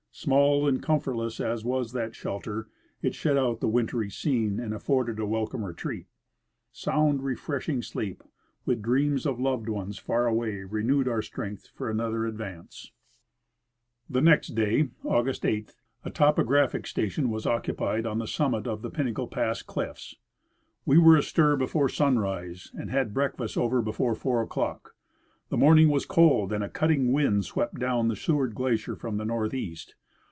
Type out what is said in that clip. Small and comfortless as Avas that shelter, it shut out the wintry scene and afforded a welcome retreat. Sound, refreshing sleep, with dreams of loved ones far away, renewed our strength for another advance. Dust covered Glaciers. 139 The next clay, August 8, a topographic station was occupied on the summit of the Pinnacle pass cliffs. We were astir before sunrise, and had breakfast over before four o'clock. The morn ing was cold, and a cutting wind swept down the Seward glacier from the northeast.